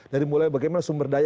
dari mulai bagaimana sumber daya